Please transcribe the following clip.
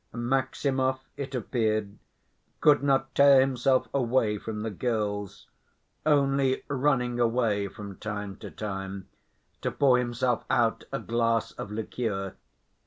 Maximov, it appeared, could not tear himself away from the girls, only running away from time to time to pour himself out a glass of liqueur.